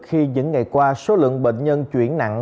khi những ngày qua số lượng bệnh nhân chuyển nặng